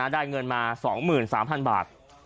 ได้เงินมา๒๓๐๐๐บาท